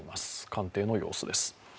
官邸の様子です。